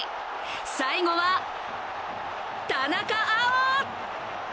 最後は田中碧！